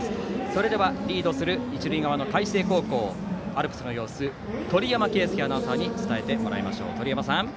それでは、リードする一塁側の海星高校アルプスの様子を鳥山圭輔アナウンサーに伝えてもらいましょう。